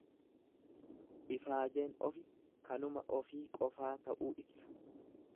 Ifaajeen ofi kanuma ofii qofa ta'uu ibsa.